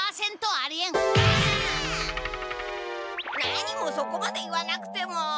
なにもそこまで言わなくても。